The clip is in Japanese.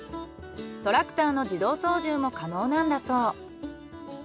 トラクターの自動操縦も可能なんだそう。